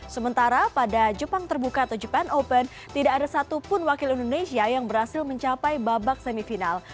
sementara pada jepang terbuka atau jepang open tidak ada satupun wakil indonesia yang berhasil mencapai babak semifinal